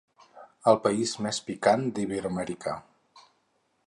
El país més picant d'Iberoamèrica.